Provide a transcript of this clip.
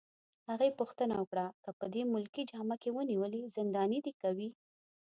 هغې پوښتنه وکړه: که په دې ملکي جامه کي ونیولې، زنداني دي کوي؟